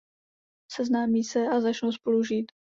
Seznámí se a začnou spolu žít.